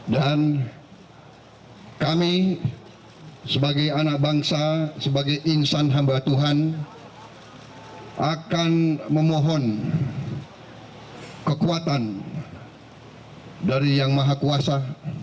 dan kami sebagai anak bangsa sebagai insan hamba tuhan akan memohon kekuatan dari yang maha kuasa